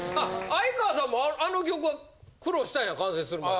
相川さんもあの曲は苦労したんや完成するまで。